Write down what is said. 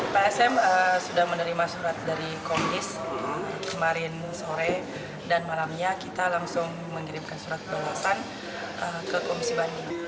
psm sudah menerima surat dari komdis kemarin sore dan malamnya kita langsung mengirimkan surat pengawasan ke komisi banding